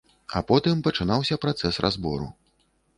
А потым пачынаўся працэс разбору.